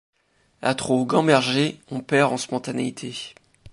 À trop gamberger, on perd en spontanéité.